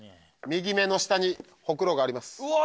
右目の下にほくろがあります・うわ！